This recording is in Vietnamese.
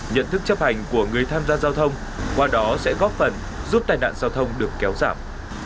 nhận thức chấp hành của người tham gia giao thông qua đó sẽ góp phần giúp tai nạn giao thông được kéo giảm